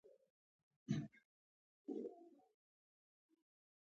کېله د زړه لپاره ګټوره ده.